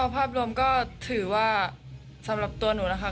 ภาพรวมก็ถือว่าสำหรับตัวหนูนะคะ